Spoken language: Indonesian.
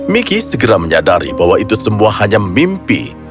miki segera menyadari bahwa itu semua hanya mimpi